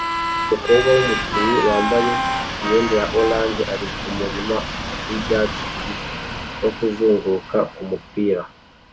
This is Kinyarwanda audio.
Umukobwa wumukinnyi wambaye imyenda ya orange ari kumurima wibyatsi bibisi no kuzunguruka kumupira